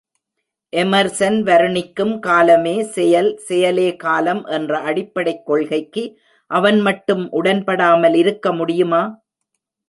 Emerson வருணிக்கும் காலமே செயல் செயலே காலம் என்ற அடிப்படைக் கொள்கைக்கு அவன் மட்டும் உடன்படாமல் இருக்க முடியுமா?